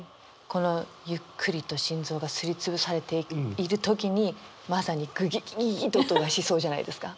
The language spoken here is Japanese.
こうゆっくりと心臓がすり潰されている時にまさに「グギギギギ」って音がしそうじゃないですか？